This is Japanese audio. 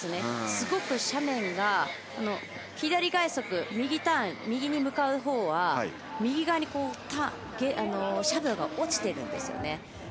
すごく斜面が右に向かうほうは右側に斜度が落ちているんですね。